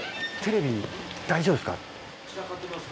テレビ大丈夫ですか？